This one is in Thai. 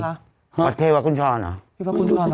อาทิตย์วัคลุณชาญหรอ